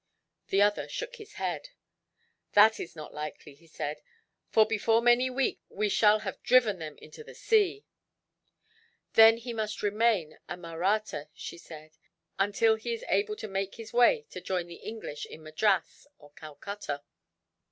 The other shook his head. "That is not likely," he said, "for before many weeks, we shall have driven them into the sea." "Then he must remain a Mahratta," she said, "until he is able to make his way to join the English in Madras or Calcutta."